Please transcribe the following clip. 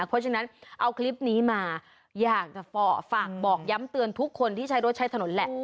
เพราะฉะนั้นเอาคลิปนี้มาอยากจะฝากบอกย้ำเตือนทุกคนที่ใช้รถใช้ถนนแหละ